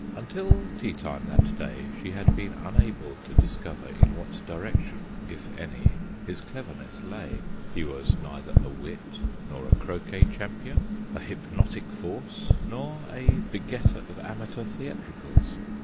Until tea time that day she had been unable to discover in what direction, if any, his cleverness lay. He was neither a wit nor a croquet champion, a hypnotic force nor a begetter of amateur theatricals.